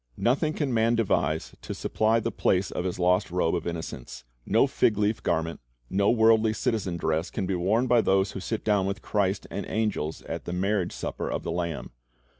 Nothing can man devise to supply the place of his lost robe of innocence. No fig leaf garment, no worldly citizen dress, can be worn by those who sit down with Christ and angels at the marriage supper of the Lamb.